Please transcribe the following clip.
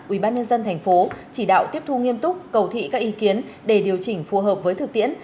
ubnd tp chỉ đạo tiếp thu nghiêm túc cầu thị các ý kiến để điều chỉnh phù hợp với thực tiễn